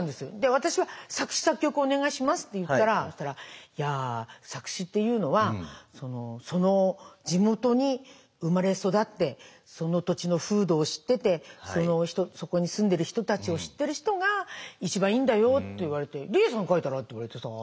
私は「作詞作曲をお願いします」って言ったら「いや作詞っていうのはその地元に生まれ育ってその土地の風土を知っててそこに住んでる人たちを知ってる人が一番いいんだよ」って言われて「理恵さん書いたら？」って言われてさ